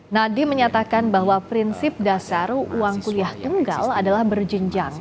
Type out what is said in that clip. nadiem menyatakan bahwa prinsip dasar uang kuliah tunggal adalah berjenjang